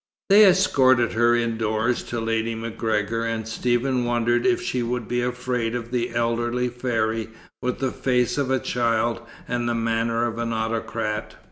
They escorted her indoors to Lady MacGregor, and Stephen wondered if she would be afraid of the elderly fairy with the face of a child and the manner of an autocrat.